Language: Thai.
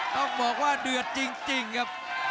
ต้องบอกว่าเดือดจริงครับ